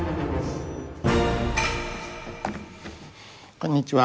こんにちは。